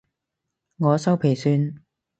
我修皮算